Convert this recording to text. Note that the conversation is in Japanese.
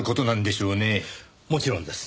もちろんです。